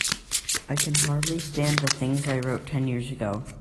I can hardly stand the things I wrote ten years ago.